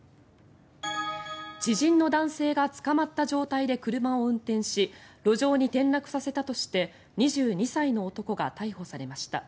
知人の男性がつかまった状態で車を運転し路上に転落させたとして２２歳の男が逮捕されました。